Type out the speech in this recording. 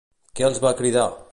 Què els va cridar?